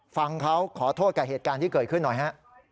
ฟังเขาขอโทษกับเหตุการณ์ที่เกิดขึ้นหน่อยฮะ